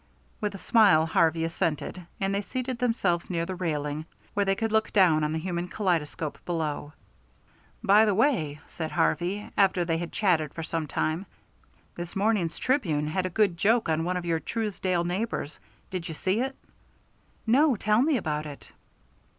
With a smile Harvey assented, and they seated themselves near the railing, where they could look down on the human kaleidoscope below. "By the way," said Harvey, after they had chatted for some time, "this morning's Tribune has a good joke on one of your Truesdale neighbors. Did you see it?" "No. Tell me about it."